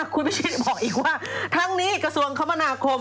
คุณพิชิตบอกอีกว่าทั้งนี้กระทรวงคมนาคม